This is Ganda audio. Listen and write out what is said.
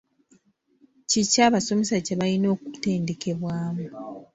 Ki ki abasomesa kye balina okutendekebwamu?